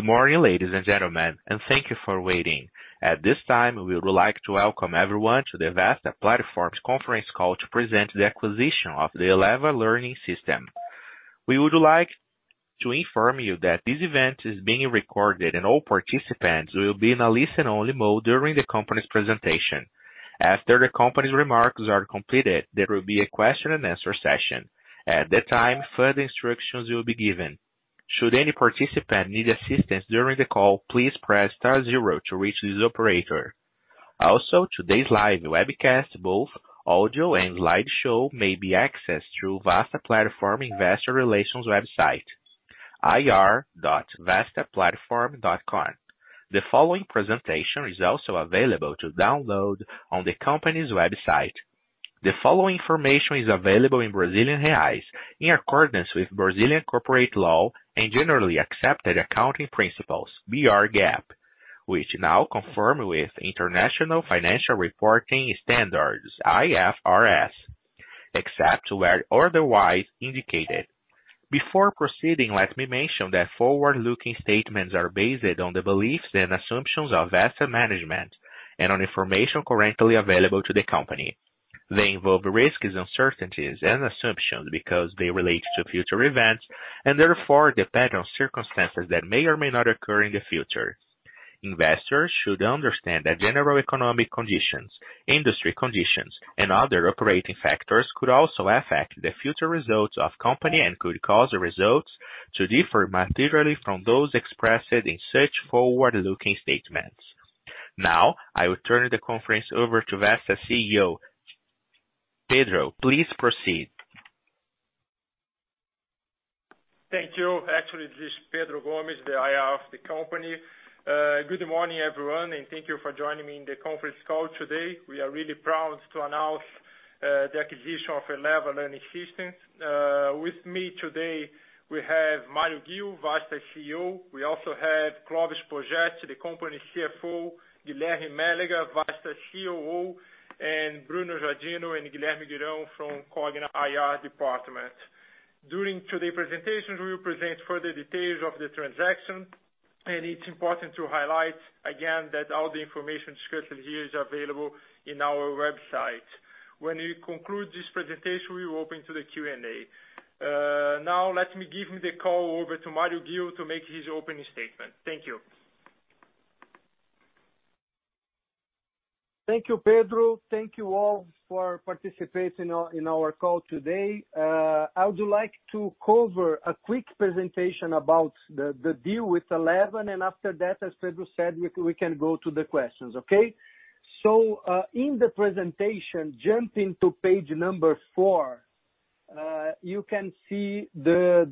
Good morning, ladies and gentlemen, thank you for waiting. At this time, we would like to welcome everyone to the Vasta Platform conference call to present the acquisition of the Eleva Learning System. We would like to inform you that this event is being recorded, and all participants will be in a listen-only mode during the company's presentation. After the company's remarks are completed, there will be a question and answer session. At that time, further instructions will be given. Should any participant need assistance during the call, please press star zero to reach this operator. Also, today's live webcast, both audio and live show, may be accessed through Vasta Platform investor relations website, ir.vastaplatform.com. The following presentation is also available to download on the company's website. The following information is available in Brazilian reais, in accordance with Brazilian corporate law and generally accepted accounting principles, BR GAAP, which now confirm with International Financial Reporting Standards, IFRS, except where otherwise indicated. Before proceeding, let me mention that forward-looking statements are based on the beliefs and assumptions of Vasta management and on information currently available to the company. They involve risks, uncertainties, and assumptions because they relate to future events and therefore depend on circumstances that may or may not occur in the future. Investors should understand that general economic conditions, industry conditions, and other operating factors could also affect the future results of company and could cause the results to differ materially from those expressed in such forward-looking statements. Now, I will turn the conference over to Vasta CEO. Pedro, please proceed. Thank you. Actually, this is Pedro Gomes, the IR of the company. Good morning, everyone, and thank you for joining me in the conference call today. We are really proud to announce the acquisition of Eleva Learning System. With me today, we have Mário Ghio, Vasta CEO. We also have Clovis Poggetti, the company CFO, Guilherme Mélega, Vasta COO, and Bruno Giardino and Guilherme Guirao from Cogna IR department. During today's presentation, we will present further details of the transaction, and it's important to highlight again that all the information discussed in here is available in our website. When we conclude this presentation, we will open to the Q&A. Now let me give the call over to Mário Ghio to make his opening statement. Thank you. Thank you, Pedro. Thank you all for participating in our call today. I would like to cover a quick presentation about the deal with Eleva, and after that, as Pedro said, we can go to the questions. Okay. In the presentation, jumping to page number four, you can see the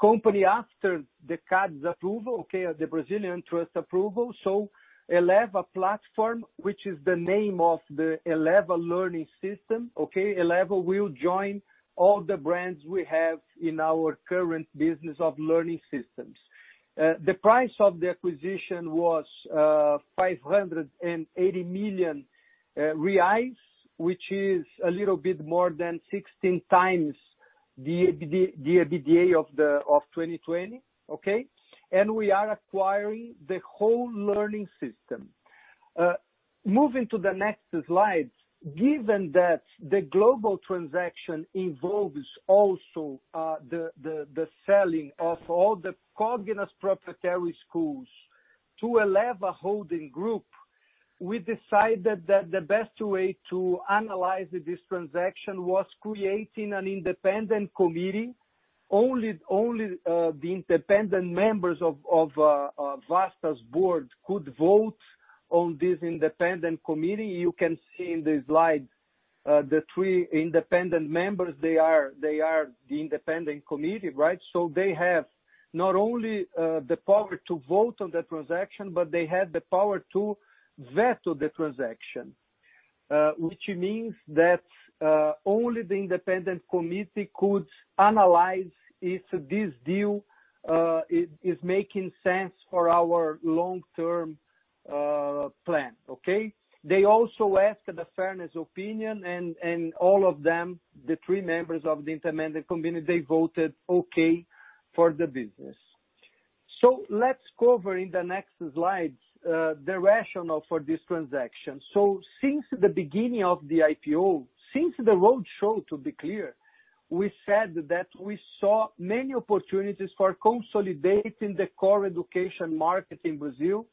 company after the CADE approval, okay. The Brazilian antitrust approval. Eleva Platform, which is the name of the Eleva Learning System, okay, Eleva will join all the brands we have in our current business of learning systems. The price of the acquisition was 580 million reais, which is a little bit more than 16 times the EBITDA of 2020. Okay? We are acquiring the whole learning system. Moving to the next slide. Given that the global transaction involves also the selling of all the Cogna's proprietary schools to Eleva Holding Group, we decided that the best way to analyze this transaction was creating an independent committee. Only the independent members of Vasta's board could vote on this independent committee. You can see in the slide the three independent members, they are the independent committee, right. They have not only the power to vote on the transaction, but they had the power to veto the transaction, which means that only the independent committee could analyze if this deal is making sense for our long-term plan. Okay. They also asked the fairness opinion, and all of them, the three members of the independent committee, they voted okay for the business. Let's cover in the next slide, the rationale for this transaction. Since the beginning of the IPO, since the roadshow, to be clear, we said that we saw many opportunities for consolidating the core education market in Brazil.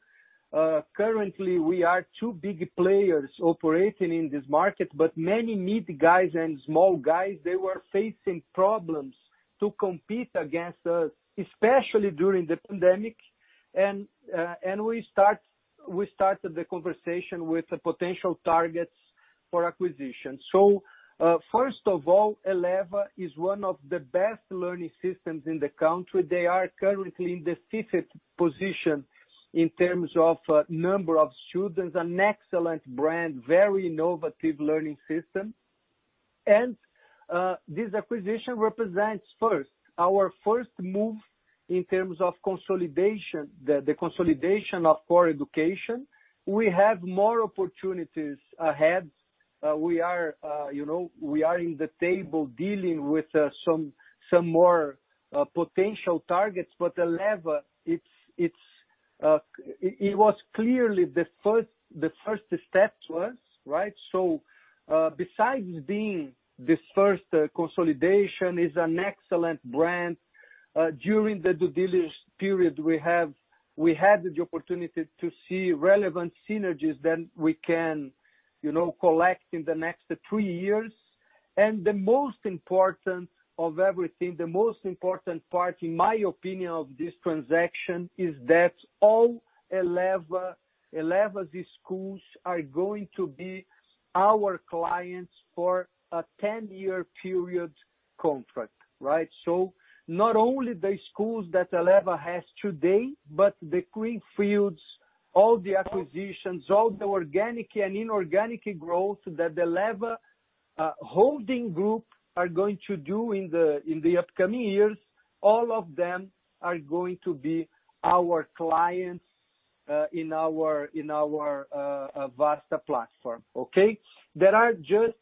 Currently, we are two big players operating in this market, but many mid guys and small guys, they were facing problems to compete against us, especially during the pandemic. We started the conversation with the potential targets for acquisition. First of all, Eleva is one of the best learning systems in the country. They are currently in the fifth position in terms of number of students, an excellent brand, very innovative learning system. This acquisition represents first, our first move in terms of consolidation, the consolidation of core education. We have more opportunities ahead. We are in the table dealing with some more potential targets, but Eleva, it was clearly the first step to us, right. Besides being this first consolidation, it is an excellent brand. During the due diligence period, we had the opportunity to see relevant synergies that we can collect in the next three years. The most important of everything, the most important part, in my opinion, of this transaction, is that all Eleva schools are going to be our clients for a 10-year period contract, right. Not only the schools that Eleva has today, but the greenfields, all the acquisitions, all the organic and inorganic growth that Eleva holding group are going to do in the upcoming years, all of them are going to be our clients in our Vasta Platform, okay. There are just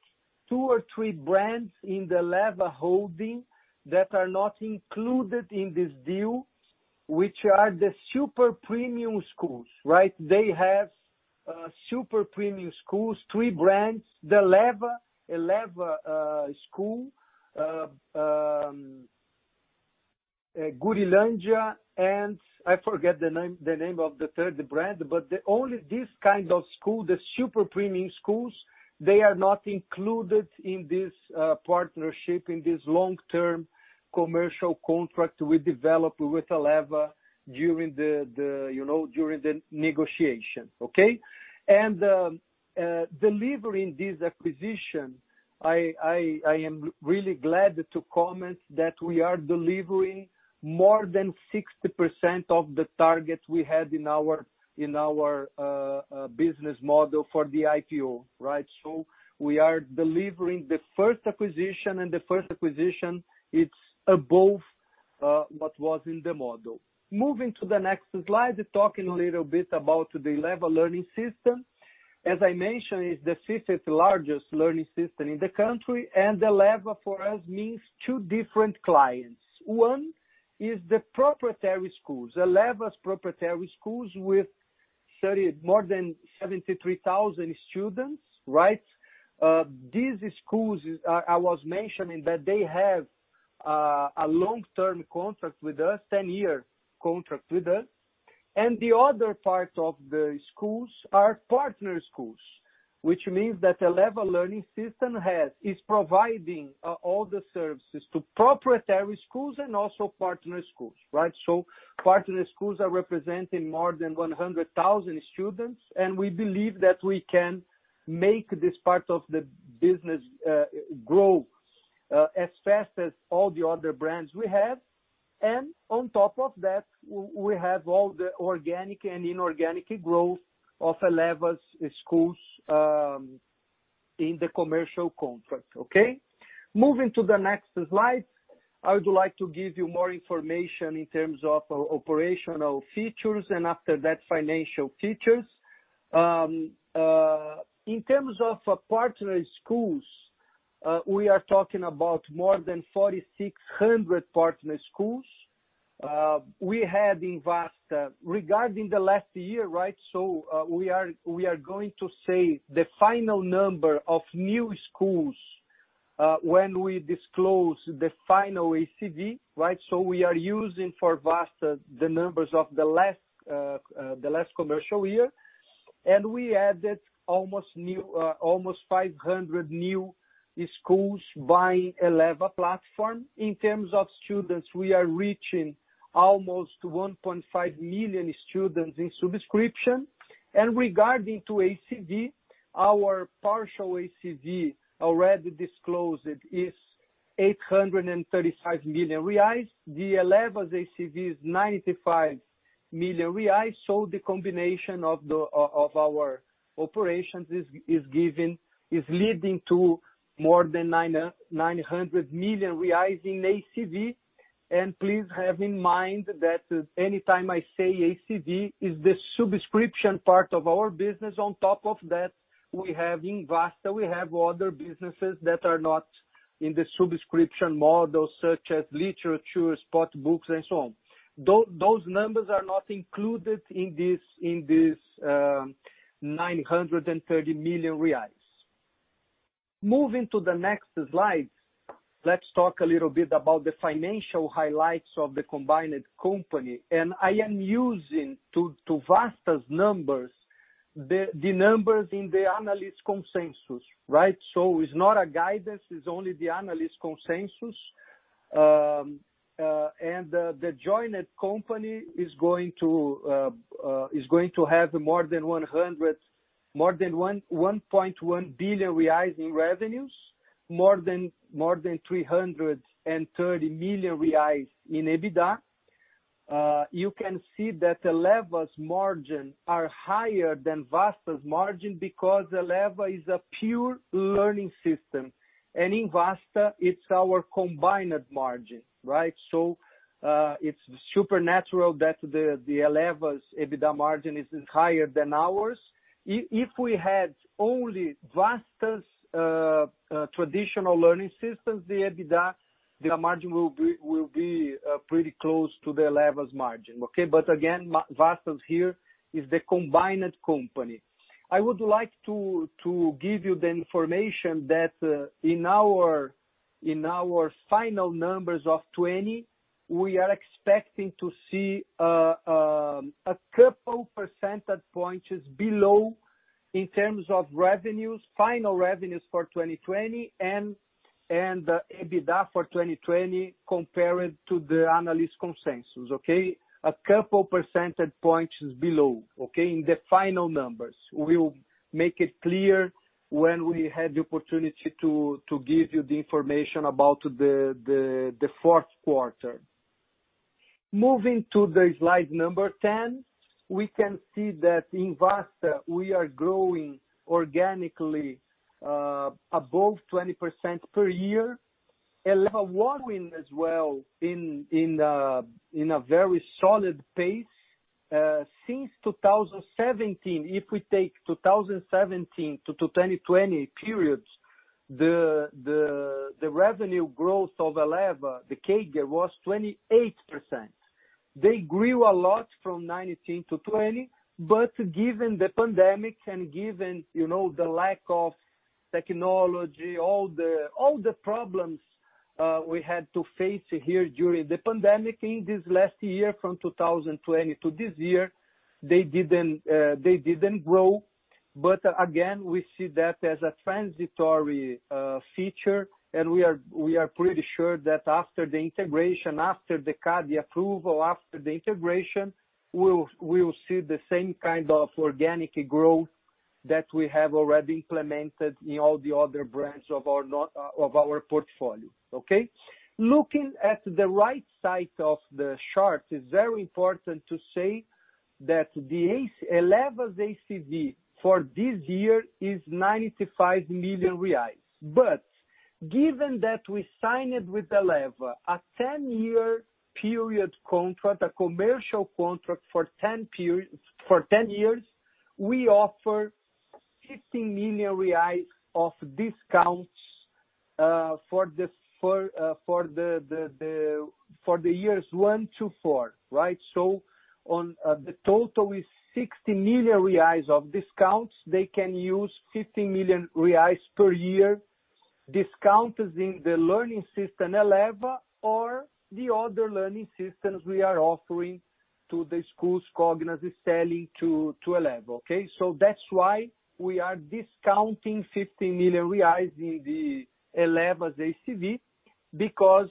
two or three brands in the Eleva holding that are not included in this deal, which are the super premium schools, right. They have super premium schools, three brands, the Escola Eleva, Gurilandia, and I forget the name of the third brand. Only this kind of school, the super premium schools, they are not included in this partnership, in this long-term commercial contract we developed with Eleva during the negotiation, okay. Delivering this acquisition, I am really glad to comment that we are delivering more than 60% of the targets we had in our business model for the IPO, right. We are delivering the first acquisition. The first acquisition, it's above what was in the model. Moving to the next slide, talking a little bit about the Eleva Learning System. As I mentioned, it's the fifth largest learning system in the country. Eleva, for us, means two different clients. One is the proprietary schools, Eleva's proprietary schools with more than 73,000 students, right. These schools, I was mentioning that they have a long-term contract with us, 10-year contract with us. The other part of the schools are partner schools, which means that Eleva Learning System is providing all the services to proprietary schools and also partner schools, right. Partner schools are representing more than 100,000 students, and we believe that we can make this part of the business grow as fast as all the other brands we have. On top of that, we have all the organic and inorganic growth of Eleva's schools in the commercial contract, okay. Moving to the next slide, I would like to give you more information in terms of operational features, and after that, financial features. In terms of partner schools, we are talking about more than 4,600 partner schools. We had in Vasta, regarding the last year, right, we are going to say the final number of new schools when we disclose the final ACV, right. We are using for Vasta the numbers of the last commercial year. We added almost 500 new schools buying Eleva Platform. In terms of students, we are reaching almost 1.5 million students in subscription. Regarding to ACV, our partial ACV already disclosed is 835 million reais. The Eleva's ACV is 95 million reais. The combination of our operations is leading to more than 900 million reais in ACV. Please have in mind that any time I say ACV is the subscription part of our business. On top of that, we have in Vasta, we have other businesses that are not in the subscription model, such as literature, spot books, and so on. Those numbers are not included in this 930 million reais. Moving to the next slide. Let's talk a little bit about the financial highlights of the combined company. I am using to Vasta's numbers, the numbers in the analyst consensus, right. It's not a guidance, it's only the analyst consensus. The joint company is going to have more than 1.1 billion reais in revenues, more than 330 million reais in EBITDA. You can see that Eleva's margin are higher than Vasta's margin because Eleva is a pure learning system. In Vasta, it's our combined margin, right. It's supernatural that the Eleva's EBITDA margin is higher than ours. If we had only Vasta's traditional learning systems, the EBITDA, the margin will be pretty close to the Eleva's margin, okay. Again, Vasta's here is the combined company. I would like to give you the information that in our final numbers of 2020, we are expecting to see a couple percentage points below in terms of final revenues for 2020 and EBITDA for 2020 compared to the analyst consensus, okay. A couple percentage points below in the final numbers. We will make it clear when we have the opportunity to give you the information about the fourth quarter. Moving to the slide number 10, we can see that in Vasta, we are growing organically above 20% per year. Eleva growing as well in a very solid pace. Since 2017, if we take 2017 to 2020 periods, the revenue growth of Eleva, the CAGR, was 28%. They grew a lot from 2019 to 2020, given the pandemic and given the lack of technology, all the problems we had to face here during the pandemic in this last year from 2020 to this year, they didn't grow. Again, we see that as a transitory feature, and we are pretty sure that after the integration, after the CADE approval, after the integration, we will see the same kind of organic growth that we have already implemented in all the other brands of our portfolio. Okay. Looking at the right side of the chart, it's very important to say that Eleva's ACV for this year is 95 million reais. Given that we signed with Eleva a 10-year period contract, a commercial contract for 10 years, we offer 15 million reais of discounts for the years one to four. Right. On the total is 60 million reais of discounts. They can use 15 million reais per year discounts in the learning system Eleva or the other learning systems we are offering to the schools Cogna's is selling to Eleva. That's why we are discounting 15 million reais in the Eleva's ACV because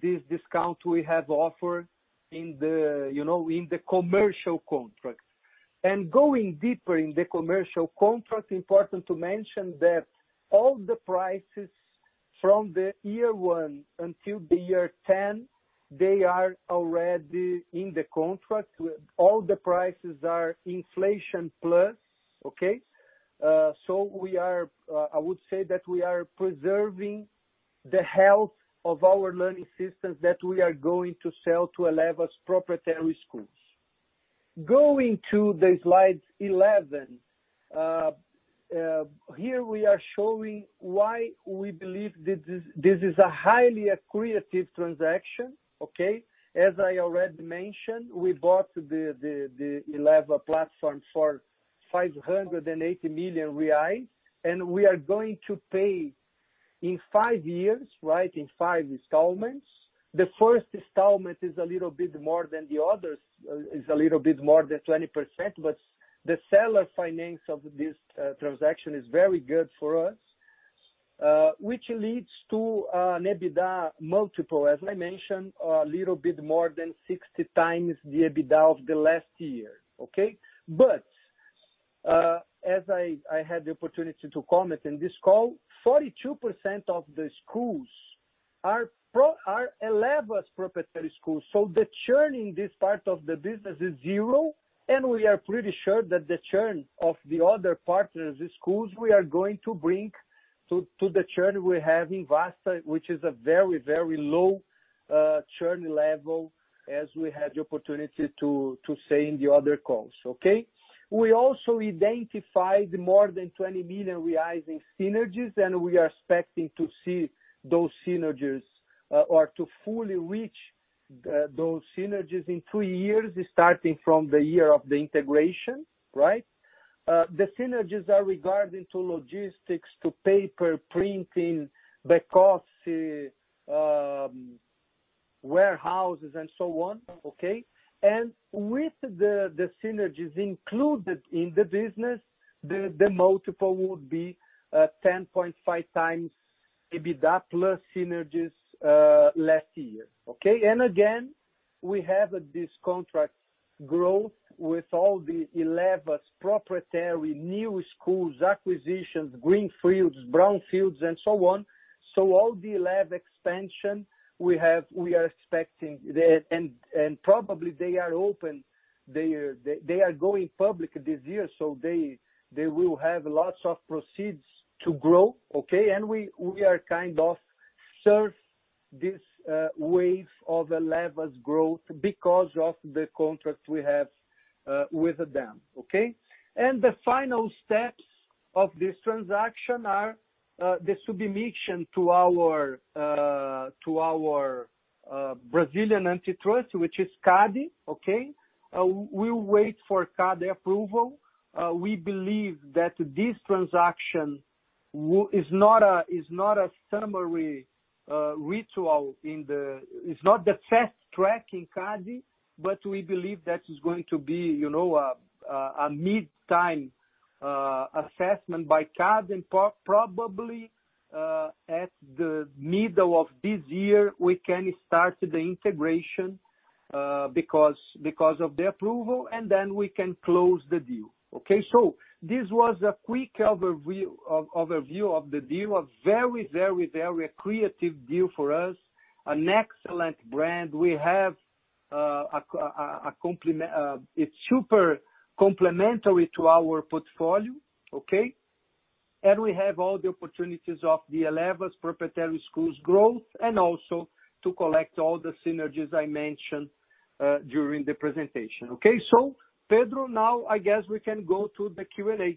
this discount we have offered in the commercial contract. Going deeper in the commercial contract, important to mention that all the prices from the year one until the year 10, they are already in the contract. All the prices are inflation plus. I would say that we are preserving the health of our learning systems that we are going to sell to Eleva's proprietary schools. Going to the slide 11. Here we are showing why we believe this is a highly accretive transaction. As I already mentioned, we bought the Eleva Platform for 580 million reais, and we are going to pay in five years. Right. In five installments. The first installment is a little bit more than 20%, but the seller finance of this transaction is very good for us, which leads to an EBITDA multiple. As I mentioned, a little bit more than 16x the EBITDA of the last year, okay? As I had the opportunity to comment in this call, 42% of the schools are Eleva's proprietary schools, so the churn in this part of the business is zero, and we are pretty sure that the churn of the other partners, the schools we are going to bring to the churn we have in Vasta, which is a very, very low churn level as we had the opportunity to say in the other calls, okay. We also identified more than 20 million reais in synergies, and we are expecting to see those synergies or to fully reach those synergies in two years, starting from the year of the integration. Right. The synergies are regarding to logistics, to paper printing, because warehouses and so on, okay. With the synergies included in the business, the multiple would be 10.5x EBITDA plus synergies last year, okay. Again, we have this contract growth with all the Eleva's proprietary new schools, acquisitions, greenfields, brownfields and so on. All the Eleva expansion we are expecting, probably they are going public this year, They will have lots of proceeds to grow, okay. We are kind of surf this wave of Eleva's growth because of the contract we have with them. Okay. The final steps of this transaction are the submission to our Brazilian antitrust, which is CADE, okay. We'll wait for CADE approval. We believe that this transaction is not a rito sumário, is not the fast track in CADE, but we believe that it's going to be a mid-time assessment by CADE, and probably at the middle of this year, we can start the integration because of the approval, and then we can close the deal. Okay, this was a quick overview of the deal. A very creative deal for us. An excellent brand. It's super complementary to our portfolio, okay. We have all the opportunities of the Eleva's proprietary schools growth, and also to collect all the synergies I mentioned during the presentation. Okay, Pedro, now I guess we can go to the Q&A.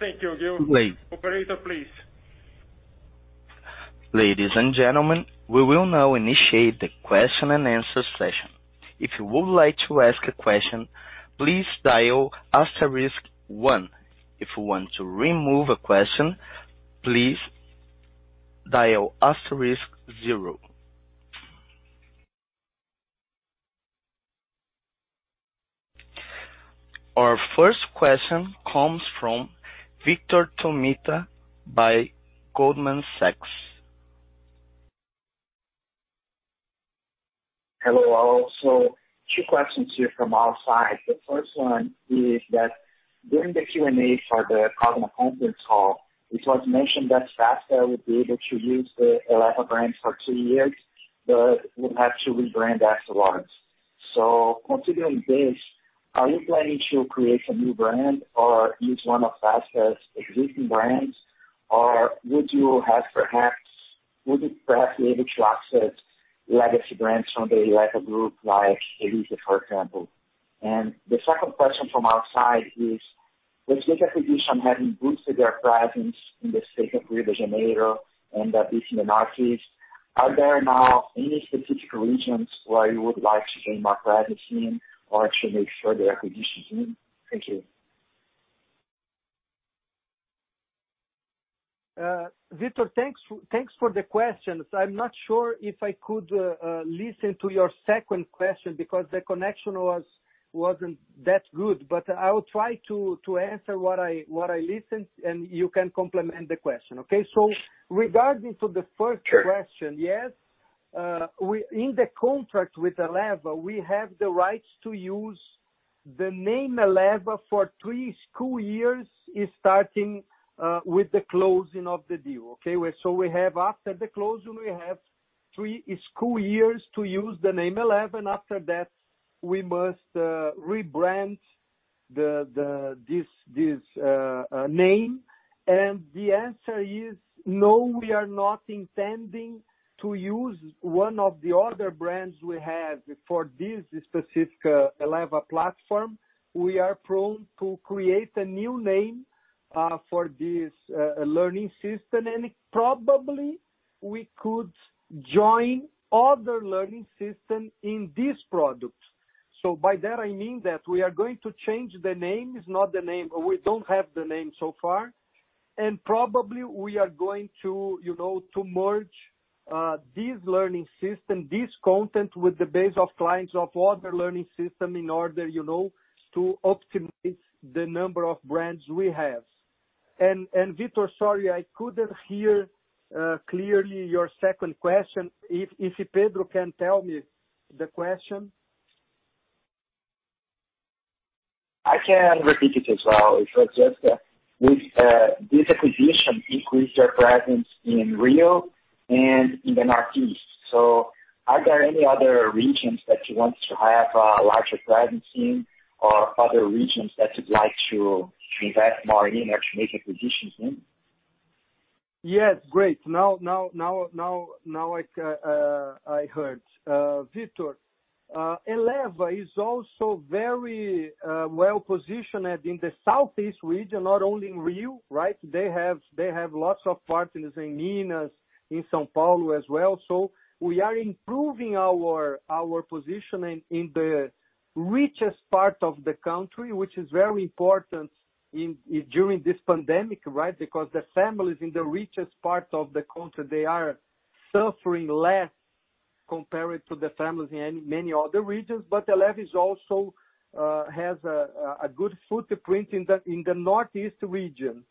Thank you, Ghio. Operator, please. Ladies and gentlemen, we will now initiate the question and answer session. If you would like to ask a question, please dial asterisk one. If you want to remove the question, please dial asterisk zero. Our first question comes from Vitor Tomita by Goldman Sachs. Hello all. Two questions here from our side. The first one is that during the Q&A for the Cogna conference call, it was mentioned that Vasta would be able to use the Eleva brands for two years, but would have to rebrand afterwards. Considering this, are you planning to create a new brand or use one of Vasta's existing brands, or would you perhaps be able to access legacy brands from the Eleva group like Eleva, for example? The second question from our side is, with this acquisition having boosted their presence in the state of Rio de Janeiro and at least in the Northeast, are there now any specific regions where you would like to gain more presence in or to make further acquisitions in? Thank you. Vitor, thanks for the questions. I'm not sure if I could listen to your second question because the connection wasn't that good. I will try to answer what I listened, and you can complement the question, okay? Regarding to the first question. Sure. In the contract with Eleva, we have the rights to use the name Eleva for three school years, starting with the closing of the deal, okay. After the closing, we have three school years to use the name Eleva, after that we must rebrand this name. The answer is no, we are not intending to use one of the other brands we have for this specific Eleva Platform. We are prone to create a new name for this learning system. Probably we could join other learning system in this product. By that I mean that we are going to change the names, not the name. We don't have the name so far. Probably we are going to merge this learning system, this content, with the base of clients of other learning system in order to optimize the number of brands we have. Vitor, sorry, I couldn't hear clearly your second question. If Pedro can tell me the question. I can repeat it as well. It was just that with this acquisition increased their presence in Rio and in the Northeast. Are there any other regions that you want to have a larger presence in or other regions that you'd like to invest more in or to make acquisitions in? Yes. Great. Now I heard. Vitor, Eleva is also very well-positioned in the Southeast region, not only in Rio, right. They have lots of partners in Minas, in São Paulo as well. We are improving our position in the richest part of the country, which is very important during this pandemic, right. Because the families in the richest part of the country, they are suffering less compared to the families in many other regions. Eleva also has a good footprint in the Northeast region.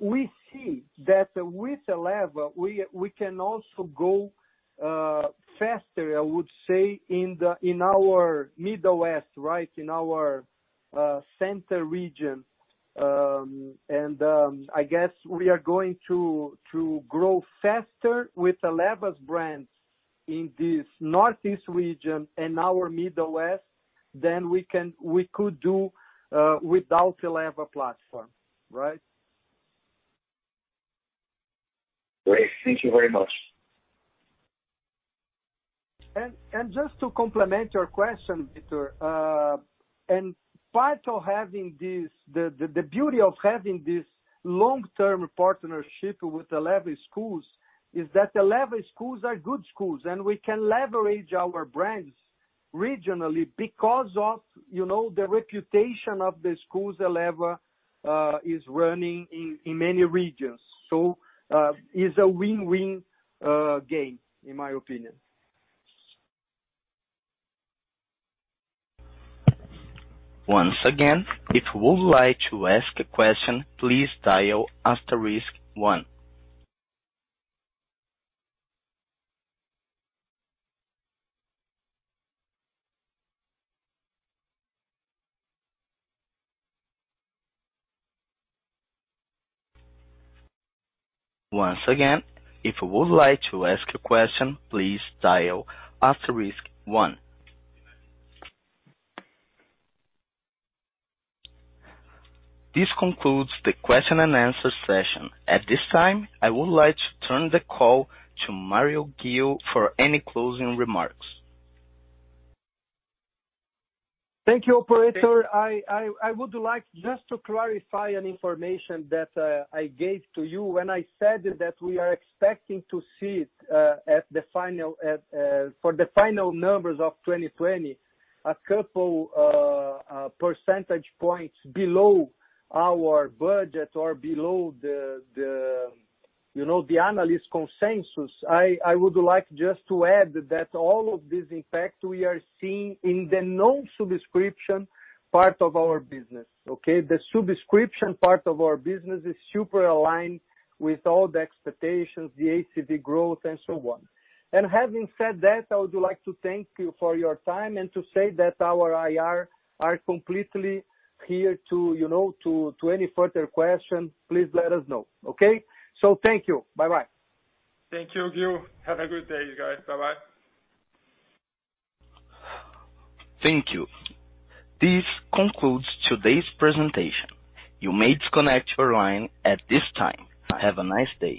We see that with Eleva, we can also go faster, I would say, in our Midwest, right. In our Center region. I guess we are going to grow faster with Eleva's brands in this Northeast region and our Midwest than we could do without Eleva Platform, right. Great. Thank you very much. Just to complement your question, Vitor. The beauty of having this long-term partnership with Eleva schools is that Eleva schools are good schools, and we can leverage our brands regionally because of the reputation of the schools Eleva is running in many regions. It's a win-win game, in my opinion. Once again, if you would like to ask a question, please dial asterisk one. This concludes the question and answer session. At this time, I would like to turn the call to Mário Ghio for any closing remarks. Thank you, operator. I would like just to clarify an information that I gave to you when I said that we are expecting to see for the final numbers of 2020, a couple percentage points below our budget or below the analyst consensus. I would like just to add that all of this, in fact, we are seeing in the non-subscription part of our business, okay. The subscription part of our business is super aligned with all the expectations, the ACV growth, and so on. Having said that, I would like to thank you for your time and to say that our IR are completely here to any further question, please let us know, okay. Thank you. Bye-bye. Thank you, Ghio. Have a good day, you guys. Bye-bye. Thank you. This concludes today's presentation. You may disconnect your line at this time. Have a nice day.